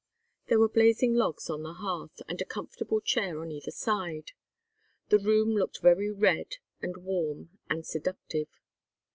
There were blazing logs on the hearth, and a comfortable chair on either side. The room looked very red and warm and seductive.